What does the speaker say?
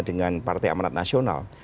dengan partai amanat nasional